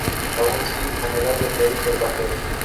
Aun así, anhela aprender y ser vaquero.